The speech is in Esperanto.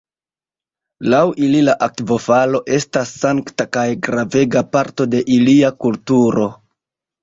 Laŭ ili la akvofalo estas sankta kaj gravega parto de ilia kulturo.